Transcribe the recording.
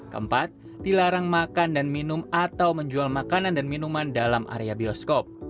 keempat dilarang makan dan minum atau menjual makanan dan minuman dalam area bioskop